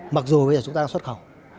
mặc dù bây giờ chúng ta đang xuất khẩu